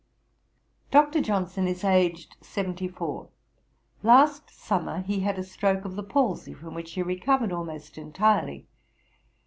'Dr. Johnson is aged seventy four. Last summer he had a stroke of the palsy, from which he recovered almost entirely.